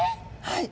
はい。